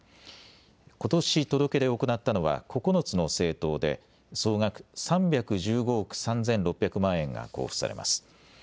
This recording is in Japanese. ことし届け出を行ったのは９つの政党で総額３１５億３６００万円が交付されます。